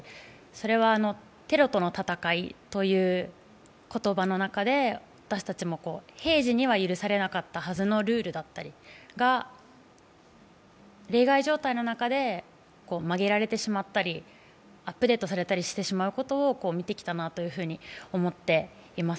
それはテロとの戦いという言葉の中で私たちも平時には許されなかったはずのルールだったりが例外状態の中で曲げられてしまったり、アップデートされてしまうことを見てきたなと思っています。